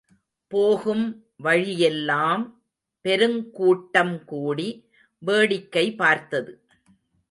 போகும் வழியெல்லாம் பெருங்கூட்டம்கூடி வேடிக்கை பார்த்தது.